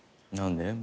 何で？